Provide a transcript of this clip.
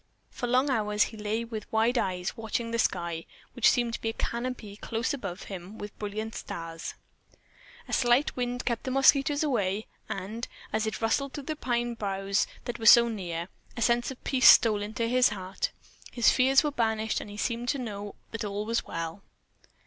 For long hours he lay with wide eyes watching the sky, which seemed to be a canopy close above him, brilliant with stars. A slight wind kept the mosquitos away and, as it rustled through the pine boughs that were so near, a sense of peace stole into his heart his fears were banished and he seemed to know that all was well.